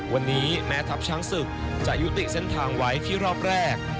วันนี้แม้ทัพช้างศึกจะยุติเส้นทางไว้ที่รอบแรก